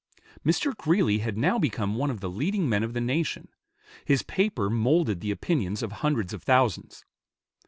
Mr. Greeley had now become one of the leading men of the nation. His paper molded the opinions of hundreds of thousands.